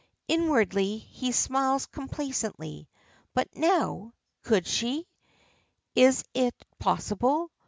Inwardly he smiles complacently. But now. Could she? Is it possible?